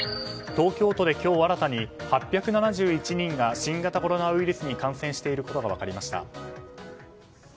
東京都で今日新たに８７１人が新型コロナウイルスに感染していることが分かりました。